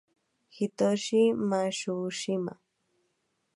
Hitoshi Matsushima